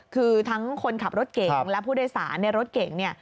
คือทั้งคนขับรถเก่งและผู้โดยสารในรถเก่งเนี่ย